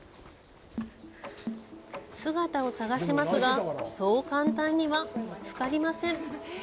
姿を探しますがそう簡単には見つかりません。